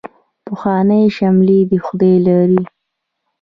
پخوانۍ شملې دې خدای لري.